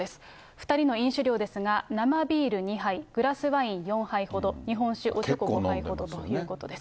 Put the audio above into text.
２人の飲酒量ですが、生ビール２杯、グラスワイン４杯ほど、日本酒おちょこ５杯ほどということです。